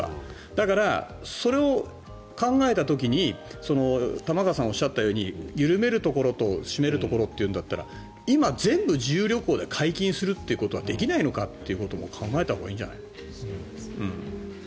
だから、それを考えた時に玉川さんがおっしゃったように緩めるところと締めるところというんだったら今、全部自由旅行で解禁するということはできないのかということも考えたほうがいいんじゃない？